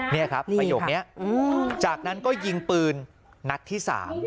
นี่ครับประโยคนี้จากนั้นก็ยิงปืนนัดที่๓